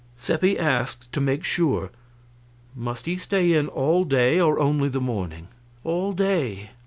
Seppi asked, to make sure: "Must he stay in all day, or only the morning?" "All day.